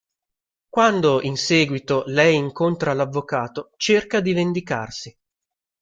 Quando, in seguito, lei incontra l'avvocato, cerca di vendicarsi.